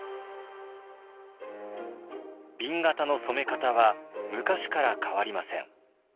紅型の染め方は昔から変わりません。